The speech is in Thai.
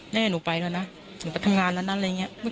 แม่หนูไปแล้วนะหนูไปทำงานแล้วนะอะไรอย่างนี้